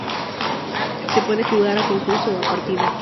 Se puede jugar a concurso o a partida.